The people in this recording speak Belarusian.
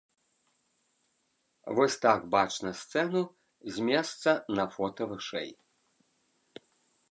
Вось так бачна сцэну з месца на фота вышэй.